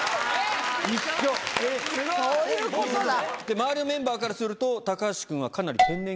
周りのメンバーからすると高橋くんはかなり。